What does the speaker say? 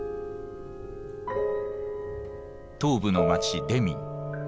東部の街デミン。